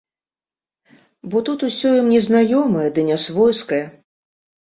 Бо тут усё ім незнаёмае ды нясвойскае.